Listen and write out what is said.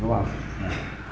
đúng rồi đúng rồi